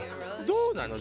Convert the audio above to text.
どうなの？